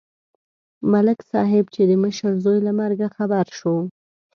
ملک صاحب چې د مشر زوی له مرګه خبر شو.